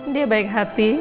dia baik hati